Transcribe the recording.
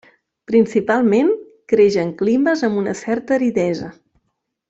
Principalment, creix en climes amb una certa aridesa.